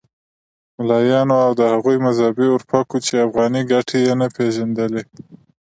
ملایانو او هغو مذهبي اورپکو چې افغاني ګټې یې نه پېژندلې.